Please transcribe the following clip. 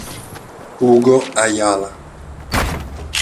Hugo Ayala